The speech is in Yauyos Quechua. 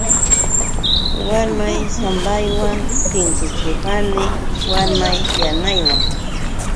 Warmay sambaywan tinkukurqani warmay yanaywan.